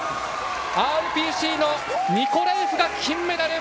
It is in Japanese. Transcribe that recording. ＲＰＣのニコラエフが金メダル！